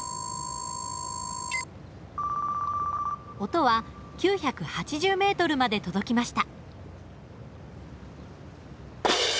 音は９８０ｍまで届きました。